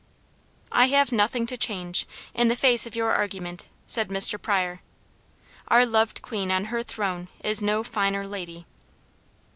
"I have nothing to change, in the face of your argument," said Mr. Pryor. "Our loved Queen on her throne is no finer lady."